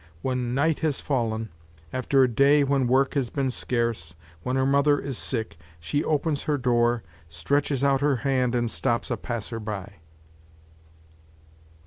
When night has fallen, after a day when work has been scarce, when her mother is sick, she opens her door, stretches out her hand and stops a passer by.